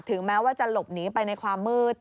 แม้ว่าจะหลบหนีไปในความมืด